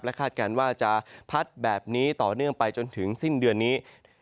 คาดการณ์ว่าจะพัดแบบนี้ต่อเนื่องไปจนถึงสิ้นเดือนนี้